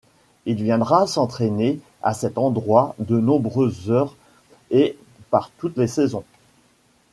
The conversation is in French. Il viendra s'entrainer à cet endroit de nombreuses heures et par toutes les saisons.